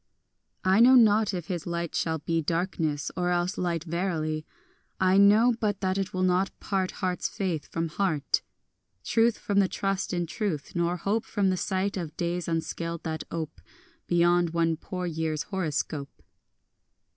3 I know not if his light shall be Darkness, or else light verily: I know but that it will not part Heart's faith from heart, Truth from the trust in truth, nor hope From sight of days unscaled that ope Beyond one poor year's horoscope.